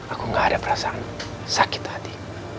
aku gak ada perasaan sakit hati